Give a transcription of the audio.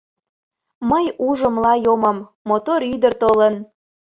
Мый ужым лай омым, Мотор ӱдыр толын.